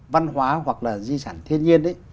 văn hóa hoặc là di sản thiên nhiên